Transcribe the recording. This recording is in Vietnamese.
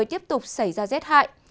tiếp tục xảy ra rét hại